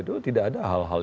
itu tidak ada hal hal